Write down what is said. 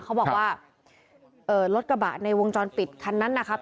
เขาบอกว่ารถกระบะในวงจรปิดคันนั้นนะครับ